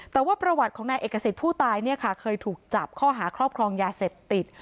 แต่ว่าประวัติของนายเอกสิทธิ์ผู้ตายเนี่ยค่ะเคยถูกจับข้อหาครอบครองยาเสพติด